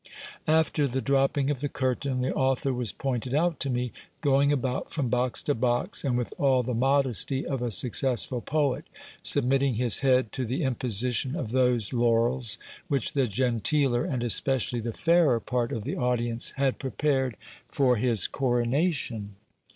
After the dropping of the curtain, the author was pointed out to me, going about from box to box, and with all the modesty of a successful poet, submitting his head to the imposition of those laurels, which the genteeler, and especially the fairer part of the audience had prepared for his coronation.